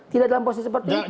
tidak dalam posisi seperti itu